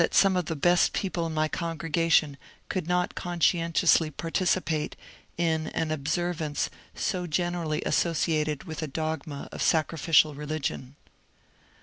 ARCHBISHOP PURCELL 271 of the best people in my congregation could not conscien tiously participate in an observance so generally associated with a dogma of sacrificial religion.